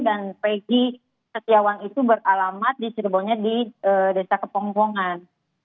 dan peggy setiawan itu beralamat di desa kepongkongan